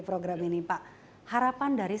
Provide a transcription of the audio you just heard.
program ini pak harapan dari